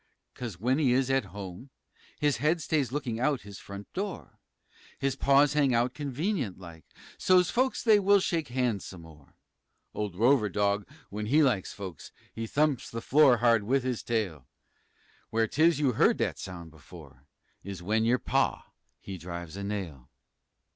'Cause when he is "at home" his head Stays looking out of his front door; His paws hang out convenient like, So's folks they will shake hands some more. Old Rover Dog, w'en he likes folks, He thumps th' floor hard wif his tail Where 'tis you've heard that sound before Is w'en your pa, he drives a nail.